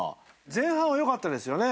前半はよかったですよね。